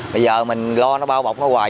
bây giờ mình lo nó bao bọc nó hoài